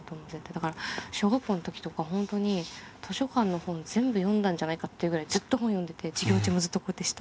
だから小学校の時とか本当に図書館の本全部読んだんじゃないかっていうぐらいずっと本読んでて授業中もずっとこうやって下で。